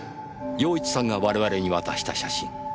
陽一さんが我々に渡した写真。